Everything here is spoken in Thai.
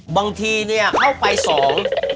บางทีเนี่ยเข้าไปสอง